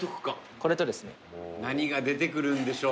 これとですね何が出てくるんでしょう？